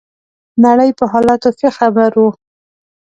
نړۍ په حالاتو ښه خبر وو.